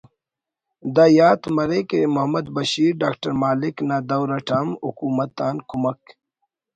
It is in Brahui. دا یات مرے کہ محمد بشیر ڈاکٹر مالک نا دور اٹ ہم حکومت آن کمک